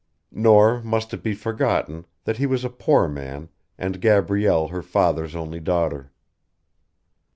Nor must it be forgotten that he was a poor man and Gabrielle her father's only daughter.